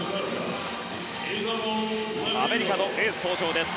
アメリカのエース登場です。